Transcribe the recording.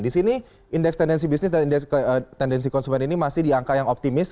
di sini indeks tendensi bisnis dan tendensi konsumen ini masih di angka yang optimis